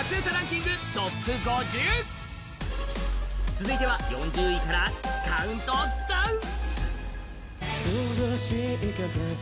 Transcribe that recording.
続いては４０位からカウントダウン！